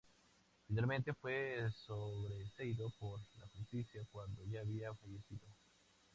Finalmente fue sobreseído por la Justicia cuando ya había fallecido.